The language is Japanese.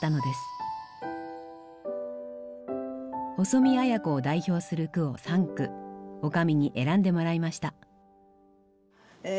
細見綾子を代表する句を３句女将に選んでもらいました。